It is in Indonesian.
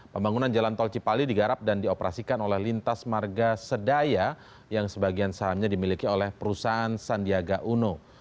pembangunan jalan tol cipali digarap dan dioperasikan oleh lintas marga sedaya yang sebagian sahamnya dimiliki oleh perusahaan sandiaga uno